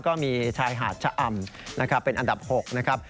ก็มีชายหาดชะอำนะครับเป็นอันดับ๖นะครับ